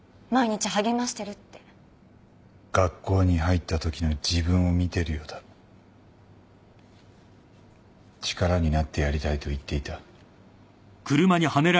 「学校に入ったときの自分を見てるようだ」「力になってやりたい」と言っていた。